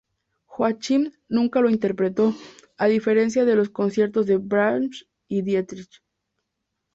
Joachim nunca lo interpretó, a diferencia de los conciertos de Brahms y Dietrich.